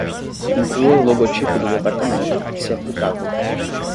Inclua o logotipo do departamento, se aplicável.